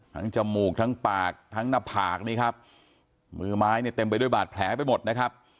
จมูกทั้งปากทั้งหน้าผากนี่ครับมือไม้เนี่ยเต็มไปด้วยบาดแผลไปหมดนะครับ